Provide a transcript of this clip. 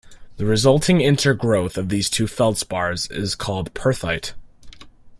The resulting intergrowth of the two feldspars is called perthite.